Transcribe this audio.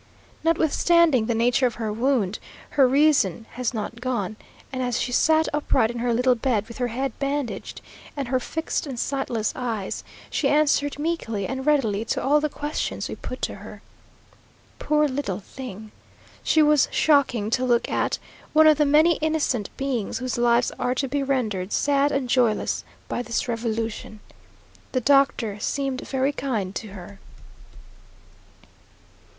Notwithstanding the nature of her wound, her reason has not gone, and as she sat upright in her little bed, with her head bandaged, and her fixed and sightless eyes, she answered meekly and readily to all the questions we put to her. Poor little thing! she was shocking to look at; one of the many innocent beings whose lives are to be rendered sad and joyless by this revolution. The doctor seemed very kind to her.